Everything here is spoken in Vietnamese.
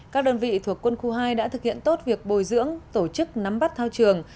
các đơn vị thuộc quân khu hai đã thực hiện tốt việc bồi dưỡng tổ chức nắm bắt thao trường